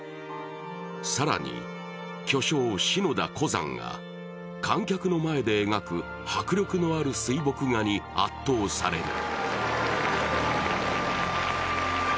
更に、巨匠・篠田湖山が観客の前で描く迫力のある水墨画に圧倒される。